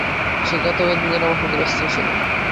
সে গত কয়দিন ধরে আমার সাথে ব্যস্ত ছিল।